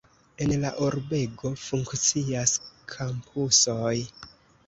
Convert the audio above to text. En la urbego funkcias kampusoj.